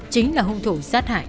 chính là hung thủ sát hại